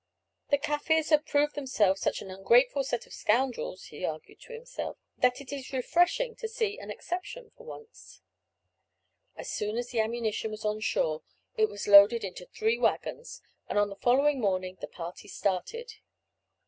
"The Kaffirs have proved themselves such an ungrateful set of scoundrels," he argued to himself, "that it is refreshing to see an exception for once." As soon as the ammunition was on shore it was loaded into three waggons, and on the following morning the party started.